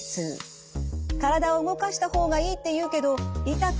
体を動かした方がいいって言うけど痛くて動けない。